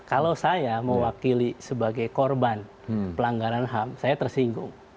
kalau saya mewakili sebagai korban pelanggaran ham saya tersinggung